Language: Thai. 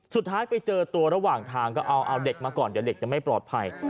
สุดท้ายไปเจอตัวระหว่างทางก็เอาเด็กมาก่อนเดี๋ยวเด็กจะไม่ปลอดภัย